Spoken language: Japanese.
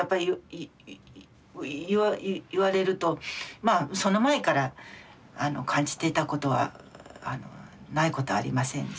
まあその前から感じていたことはないことはありませんし。